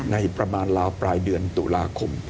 ในประมาณราวปลายเดือนตุลาคม